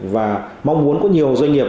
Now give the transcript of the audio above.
và mong muốn có nhiều doanh nghiệp